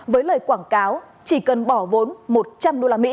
với lời quảng cáo chỉ cần bỏ vốn một trăm linh usd